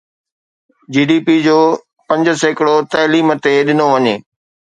جي D P جو پنج سيڪڙو تعليم تي ڏنو وڃي